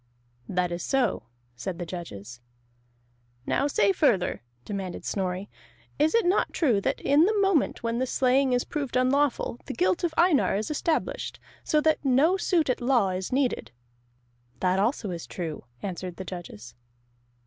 "That is so," said the judges. "Now say further," demanded Snorri. "Is it not true that in the moment when the slaying is proved unlawful, the guilt of Einar is established, so that no suit at law is needed?" "That also is true," answered the judges.